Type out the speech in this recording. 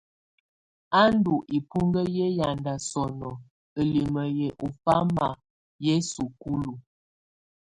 Ú ndù ibuŋkǝ yɛ ƴaŋda sɔnɔ ǝlimǝ yɛ ɔ ɔfama yɛ sukulu.